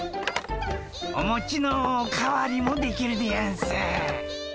おもちのお代わりもできるでやんす。